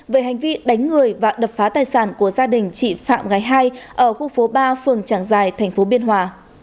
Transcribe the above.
về hành vi đánh người và đập phá tài sản của gia đình chị phạm gái hai ở khu phố ba phường trảng giài tp biên hòa